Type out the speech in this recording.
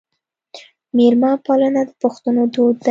میلمه پالنه د پښتنو دود دی.